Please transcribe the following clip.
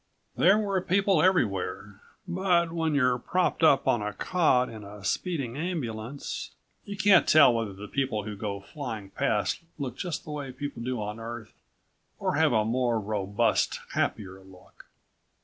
There were people everywhere, but when you're propped up on a cot in a speeding ambulance you can't tell whether the people who go flying past look just the way people do on Earth, or have a more robust, happier look.